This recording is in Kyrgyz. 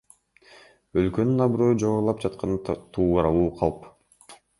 Өлкөнүн аброю жогорулап жатканы тууралуу калп.